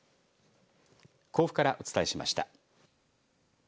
甲府からお伝えしました。